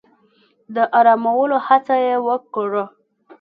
د آرامولو هڅه يې وکړه.